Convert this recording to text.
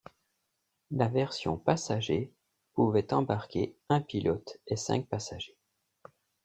La version passagers pouvait embarquer un pilote et cinq passagers.